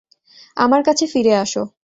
আমার কাছে ফিরে আসো!